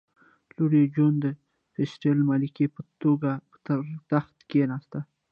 لور یې جوانا د کاسټل ملکې په توګه پر تخت کېناسته.